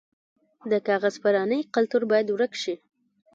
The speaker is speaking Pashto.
د کاغذ پرانۍ کلتور باید ورک شي.